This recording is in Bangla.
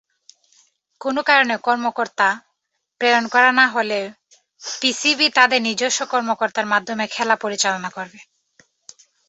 কোন কারণে কর্মকর্তা প্রেরণ করা না হলে পিসিবি তাদের নিজস্ব কর্মকর্তার মাধ্যমে খেলা পরিচালনা করবে।